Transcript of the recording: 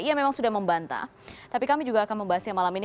ia memang sudah membantah tapi kami juga akan membahasnya malam ini